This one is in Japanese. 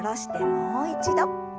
もう一度。